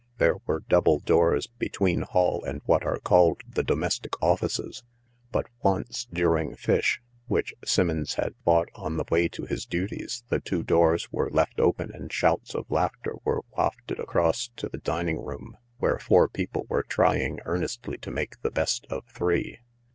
There were double doors between hall and what are called the domestic offices, but once, during fish (whichSimmons had 198 THE LARK bought on the way to his duties), the two doors were left open and shouts of laughter were wafted across to the dining room, where four people were trying earnestly to make the best of three.